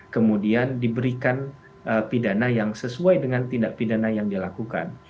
kemudian diberikan pidana yang sesuai dengan tindak pidana yang dilakukan